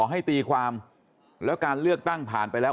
ให้ตีความแล้วการเลือกตั้งผ่านไปแล้ว